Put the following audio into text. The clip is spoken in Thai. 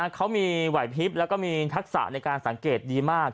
เขามีไหวพลิบแล้วก็มีทักษะในการสังเกตดีมาก